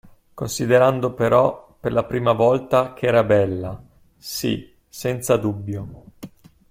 Considerando però, per la prima volta, che era bella, sì, senza dubbio.